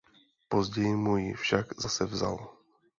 Později mu ji však zase vzal.